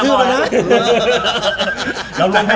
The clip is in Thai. เรารวมพลังกันนะ